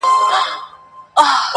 ادب کي دا کيسه ژوندۍ ده